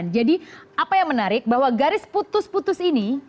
jadi apa yang menarik bahwa garis putus putus ini